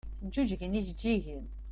Ǧǧuǧgen yijeǧǧigen.